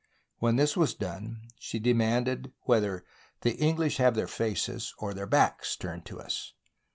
When this was done, she de manded whether " the English have their faces or their backs turned to us?